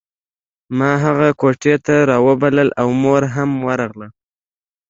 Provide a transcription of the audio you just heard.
ما هغه کوټې ته راوبلله او مور هم ورغله